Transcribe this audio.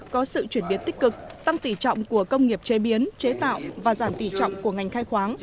có sự chuyển biến tích cực tăng tỷ trọng của công nghiệp chế biến chế tạo và giảm tỷ trọng của ngành khai khoáng